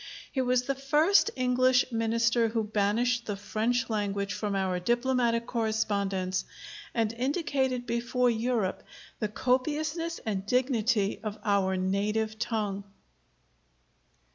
He was the first English Minister who banished the French language from our diplomatic correspondence and indicated before Europe the copiousness and dignity of our native tongue."